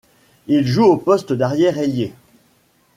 Il joue au poste d'arrière, ailier.